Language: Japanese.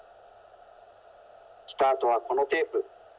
スタートはこのテープ。